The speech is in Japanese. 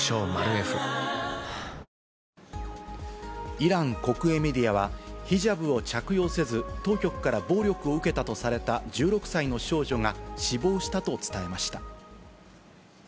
イラン国営メディアは、ヒジャブを着用せず、当局から暴力を受けたとされた１６歳の少女が死亡したと伝えました。